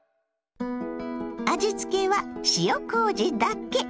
味付けは塩こうじだけ！